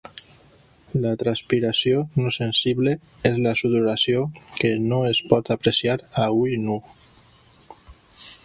La transpiració no sensible és la sudoració que no es pot apreciar a ull nu.